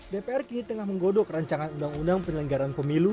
dpr kini tengah menggodok rancangan undang undang penyelenggaraan pemilu